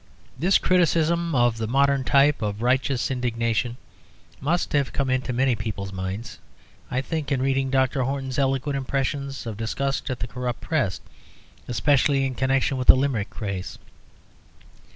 This criticism of the modern type of righteous indignation must have come into many people's minds, I think, in reading Dr. Horton's eloquent expressions of disgust at the "corrupt Press," especially in connection with the Limerick craze.